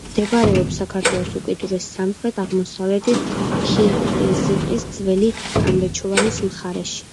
მდებარეობს საქართველოს უკიდურეს სამხრეთ-აღმოსავლეთით, ქიზიყის, ძველი კამბეჩოვანის მხარეში.